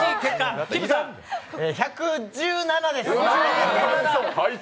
１１７です。